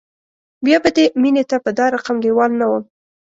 بیا به دې مینې ته په دا رقم لیوال نه وم